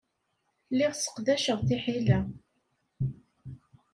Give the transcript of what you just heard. Lliɣ sseqdaceɣ tiḥila.